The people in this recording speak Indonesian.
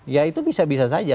ya itu bisa bisa saja